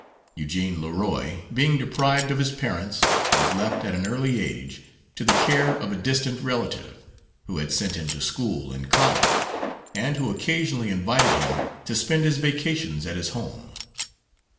Eugene Leroy, being deprived of his parents, was left, at an early age, to the care of a distant relative, who had sent him to school and college, and who occasionally invited him to spend his vacations at his home.